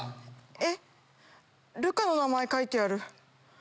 えっルカの名前書いてある。